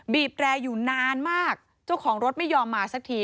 แรอยู่นานมากเจ้าของรถไม่ยอมมาสักที